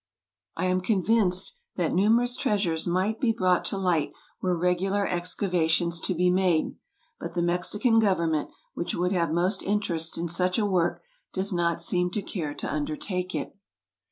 I am convinced that numerous treasures might be brought to light were regular excavations to be made, but the Mexican Government, which would have most interest in such a work, does not seem to care to undertake it.